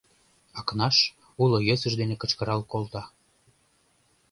Акнаш уло йӧсыж дене кычкырал колта: